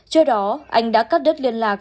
trước đó anh đã cắt đứt liên lạc